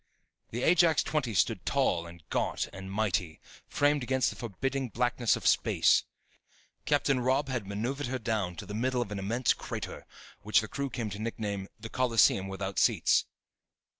The Ajax XX stood tall and gaunt and mighty, framed against the forbidding blackness of space. Captain Robb had maneuvered her down to the middle of an immense crater, which the crew came to nickname "the coliseum without seats."